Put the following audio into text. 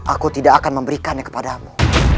aku tidak akan memberikannya kepadamu